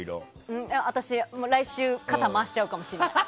私、来週肩回しちゃうかもしれない。